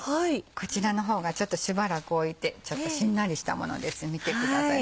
こちらの方がちょっとしばらく置いてちょっとしんなりしたものです見てください。